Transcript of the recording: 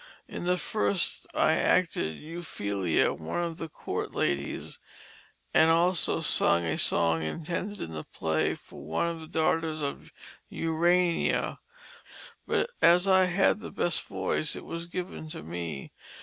In the first I acted Euphelia, one of the court ladies, and also sung a song intended in the play for one of the daughters of Urania, but as I had the best voice it was given to me.